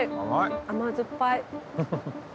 甘酸っぱい。